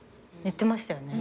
言ってましたよね。